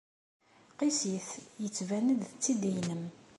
Qiss-it. Yettban-d d tiddi-nnem.